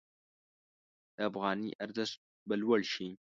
د افغانۍ ارزښت به لوړ شي.